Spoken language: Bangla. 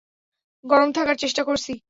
গরম থাকার চেষ্টা করছি!